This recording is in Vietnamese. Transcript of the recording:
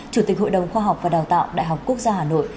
chủ tịch hội đồng khoa học và đào tạo đại học quốc gia hà nội